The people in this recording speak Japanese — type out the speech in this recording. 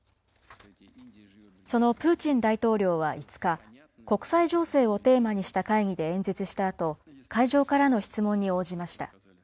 そのプーチン大統領は５日、国際情勢をテーマにした会議で演説したあと、会場からの質問に応じました。